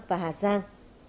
và hà giang